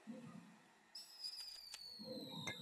川滇马铃苣苔为苦苣苔科马铃苣苔属下的一个种。